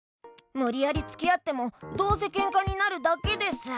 むりやりつきあってもどうせケンカになるだけです。